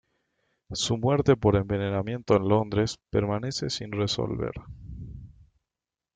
Su muerte por envenenamiento en Londres permanece sin resolver.